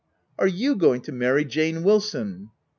" Are you going to marry Jane Wilson